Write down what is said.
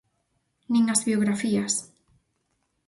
Nin as biografías.